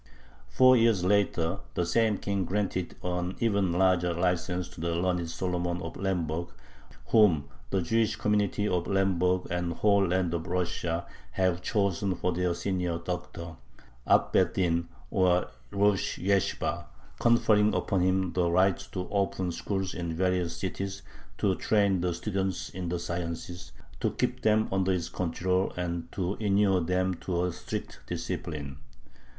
Four years later the same King granted an even larger license to "the learned Solomon of Lemberg, whom the Jewish community of Lemberg and the whole land of Russia have chosen for their 'senior doctor' (ab beth din, or rosh yeshibah)," conferring upon him the right to open schools in various cities, "to train the students in the sciences," to keep them under his control, and to inure them to a strict discipline.